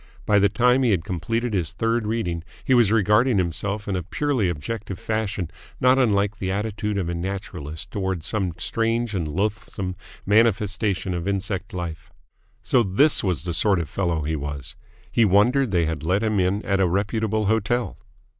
By the time he had completed his third reading he was regarding himself in a purely objective fashion not unlike the attitude of a naturalist towards some strange and loathesome manifestation of insect life. So this was the sort of fellow he was! He wondered they had let him in at a reputable hotel.